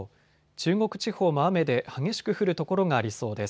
中国地方も雨で激しく降る所がありそうです。